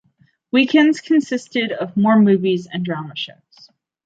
Weekends consisted of more movies and drama shows.